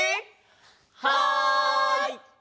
はい！